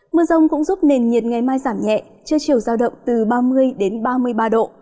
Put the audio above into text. mưa rông cũng giúp nền nhiệt ngày mai giảm nhẹ chưa chiều giao động từ ba mươi đến ba mươi ba độ